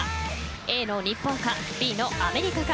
Ａの日本か、Ｂのアメリカか。